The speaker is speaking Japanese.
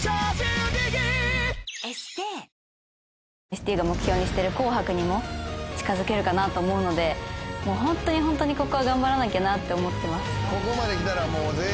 ＳＴＵが目標にしてる『紅白』にも近づけるかなと思うのでホントにホントにここは頑張らなきゃなって思ってます。